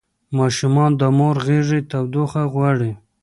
ماشومان د مور د غېږې تودوخه غواړي.